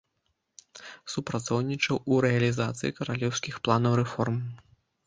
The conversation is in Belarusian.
Супрацоўнічаў у рэалізацыі каралеўскіх планаў рэформ.